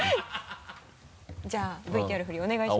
じゃあＶＴＲ振りお願いします。